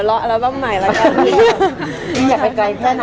แต่จริงแล้วเขาก็ไม่ได้กลิ่นกันว่าถ้าเราจะมีเพลงไทยก็ได้